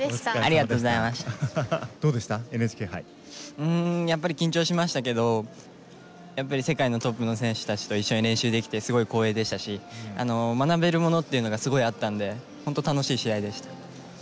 うんやっぱり緊張しましたけどやっぱり世界のトップの選手たちと一緒に練習できてすごい光栄でしたし学べるものっていうのがすごいあったんで本当楽しい試合でした。